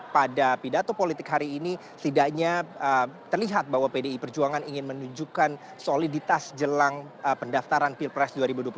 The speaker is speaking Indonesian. pada pidato politik hari ini setidaknya terlihat bahwa pdi perjuangan ingin menunjukkan soliditas jelang pendaftaran pilpres dua ribu dua puluh empat